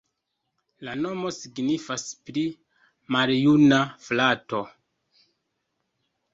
La nomo signifas: pli maljuna frato.